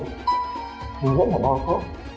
nhưng rất là đau khổ